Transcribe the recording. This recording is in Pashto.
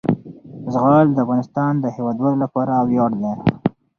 زغال د افغانستان د هیوادوالو لپاره ویاړ دی.